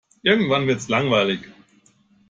Irgendwann wird's langweilig.